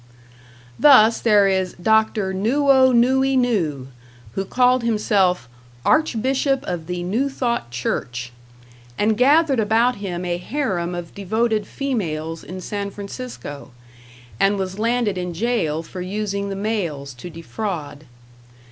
Thus there is Dr. Newo Newi New, who called himself "Archbishop of the Newthot Church," and gathered about him a harem of devoted females in San Francisco, and was landed in jail for using the mails to defraud.